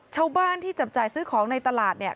ชาวบ้านที่จับจ่ายซื้อของในตลาด